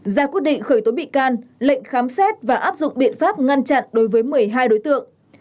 ra quyết định khởi tố bị can lệnh khám xét và áp dụng biện pháp ngăn chặn đối với một mươi hai đối tượng